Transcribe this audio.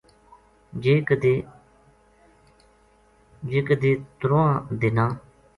جے کدے ترواں دناں